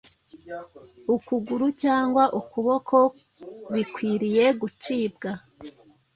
ukuguru cyangwa ukuboko bikwiriye gucibwa,